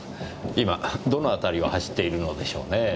今どの辺りを走っているのでしょうねぇ？